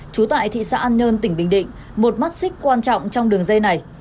trú tại thị xã an nhơn tỉnh bình định một mắt xích quan trọng trong đường dây này